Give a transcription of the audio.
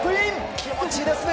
気持ちいいですね！